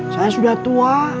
saya sudah tua